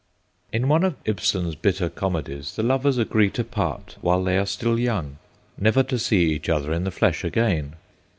In one of Ibsen's bitter comedies the lovers agree to part while they are still young, never to see each other in the flesh again.